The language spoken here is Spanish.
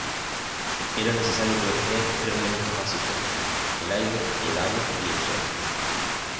Era necesario proteger tres elementos básicos: el aire, el agua y el sol.